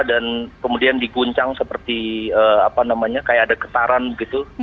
dan kemudian digoncang seperti ada ketaran gitu